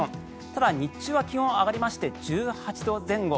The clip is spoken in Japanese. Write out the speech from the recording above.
ただ、日中は気温が上がりまして１８度前後。